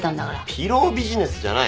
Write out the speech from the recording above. ピロービジネスじゃない。